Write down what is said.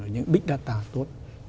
những big data tốt